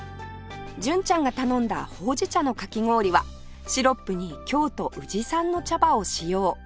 純ちゃんが頼んだほうじ茶のかき氷はシロップに京都宇治産の茶葉を使用